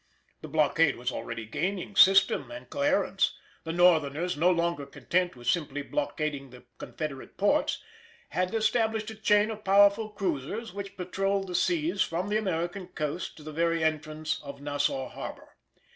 The blockade was already gaining system and coherence; the Northerners, no longer content with simply blockading the Confederate ports, had established a chain of powerful cruisers which patrolled the seas from the American coast to the very entrance of Nassau harbour.